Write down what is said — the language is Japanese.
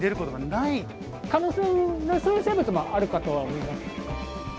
可能性そういう生物もあるかとは思います。